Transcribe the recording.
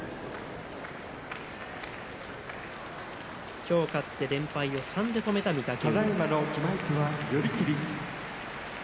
今日、勝って連敗を３で止めた御嶽海です。